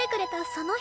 その人！